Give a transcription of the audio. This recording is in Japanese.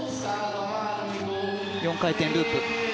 ４回転ループ。